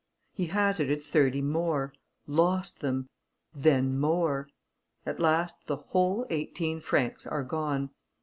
He hazarded thirty more, lost them, then more; at last the whole eighteen francs are gone.